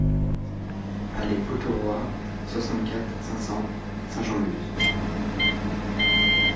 Allée Pottoroa, soixante-quatre, cinq cents Saint-Jean-de-Luz